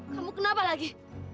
kamu kenapa lagi